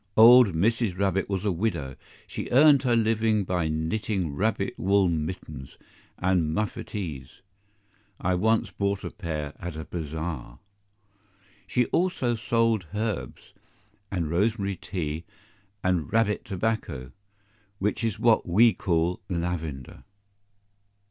Old Mrs. Rabbit was a widow; she earned her living by knitting rabbit wool mittens and muffetees (I once bought a pair at a bazaar). She also sold herbs, and rosemary tea, and rabbit tobacco (which is what WE call lavender).